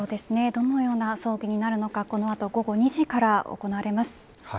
どのような葬儀になるのかこのあと午後２時から行われます。